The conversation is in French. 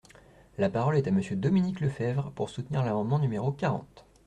La parole est à Monsieur Dominique Lefebvre, pour soutenir l’amendement numéro quarante.